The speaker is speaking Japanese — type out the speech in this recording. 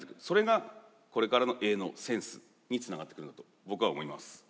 それがこれからの営農センスにつながってくるんだと僕は思います。